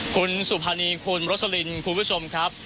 คุณสุภานีคุณรสลินคุณผู้ชมครับ